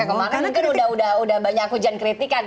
karena mungkin kemarin sudah banyak hujan kritikan